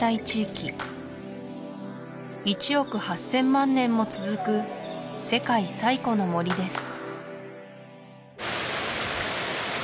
１億８０００万年も続く世界最古の森です